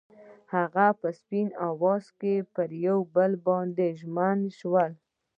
هغوی په سپین اواز کې پر بل باندې ژمن شول.